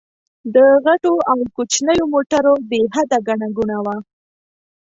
د غټو او کوچنيو موټرو بې حده ګڼه ګوڼه وه.